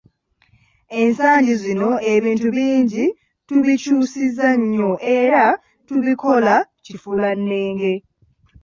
Ensangi zino ebintu bingi tubikyusizza nnyo era tubikola kifuulannenge.